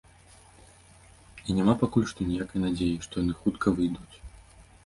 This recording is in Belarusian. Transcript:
І няма пакуль што ніякай надзеі, што яны хутка выйдуць.